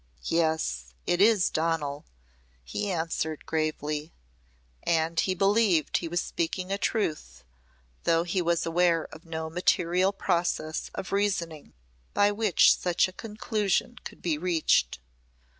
"Yes, it is Donal," he answered gravely. And he believed he was speaking a truth, though he was aware of no material process of reasoning by which such a conclusion could be reached.